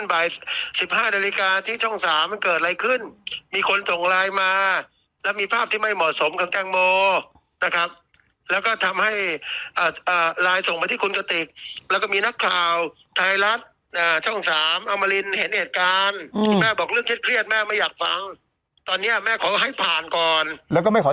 บ่าย๑๕นาฬิกาที่ช่อง๓มันเกิดอะไรขึ้นมีคนส่งไลน์มาแล้วมีภาพที่ไม่เหมาะสมกับแตงโมนะครับแล้วก็ทำให้ไลน์ส่งไปที่คุณกติกแล้วก็มีนักข่าวไทยรัฐช่องสามอมรินเห็นเหตุการณ์แม่บอกเรื่องเครียดแม่ไม่อยากฟังตอนเนี้ยแม่ขอให้ผ่านก่อนแล้วก็ไม่ขอ